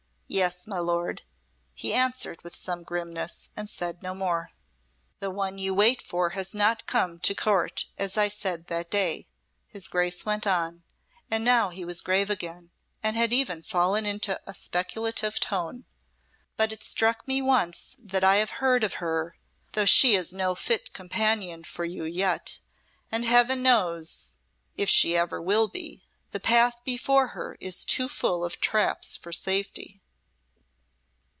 "Yes, my Lord," he answered with some grimness, and said no more. "The one you wait for has not yet come to Court, as I said that day," his Grace went on, and now he was grave again, and had even fallen into a speculative tone. "But it struck me once that I heard of her though she is no fit companion for you yet and Heaven knows if she ever will be. The path before her is too full of traps for safety."